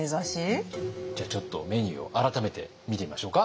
じゃあちょっとメニューを改めて見てみましょうか。